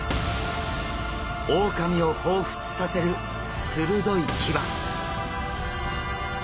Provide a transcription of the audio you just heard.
オオカミをほうふつさせる鋭い牙。